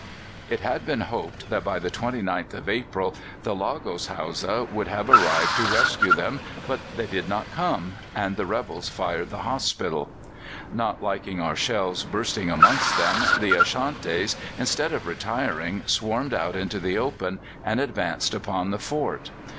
'" It had been hoped that by the 29th of April the Lagos Hausas would have arrived to rescue them, but they did not come, and the rebels fired the hospital. Not liking our shells bursting amongst them, the Ashantis, instead of retiring, swarmed out into the open, and advanced upon the fort.